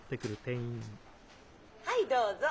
はいどうぞ。